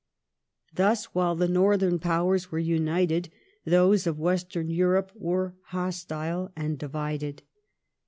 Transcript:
Thus, while the Northern Powers were united, those of Western Europe were hostile and divided.